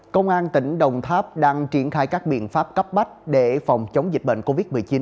công an tỉnh đồng tháp đang triển khai các biện pháp cấp bách để phòng chống dịch bệnh covid một mươi chín